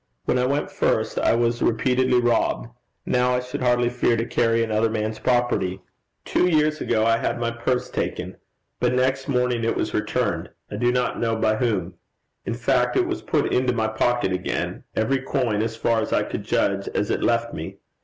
When I went first, I was repeatedly robbed; now I should hardly fear to carry another man's property. Two years ago I had my purse taken, but next morning it was returned, I do not know by whom: in fact it was put into my pocket again every coin, as far as I could judge, as it left me.